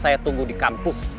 saya tunggu di kampus